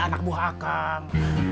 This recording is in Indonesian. anak buah akang